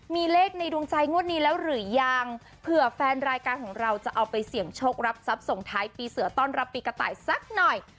มีเลขในดวงใจงวดนี้แล้วหรือยังเผื่อแฟนรายการของเราจะเอาไปเสี่ยงโชครับทรัพย์ส่งท้ายปีเสือต้อนรับปีกระต่ายสักหน่อย